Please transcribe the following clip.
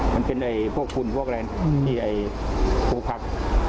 มันเป็นพวกคุณพวกอะไรผู้ผัก